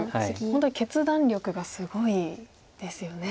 本当に決断力がすごいですよね。